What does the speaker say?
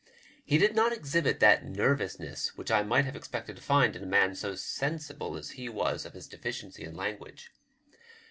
He did not exhibit that nervousness which I might have expected to find in a man so sensible as be was of bis deficiency in language.